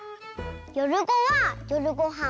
「よるご」は「よるごはん」。